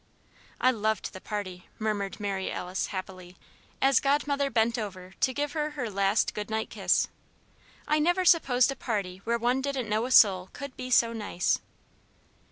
"I loved the party," murmured Mary Alice, happily, as Godmother bent over to give her her last good night kiss. "I never supposed a party where one didn't know a soul could be so nice."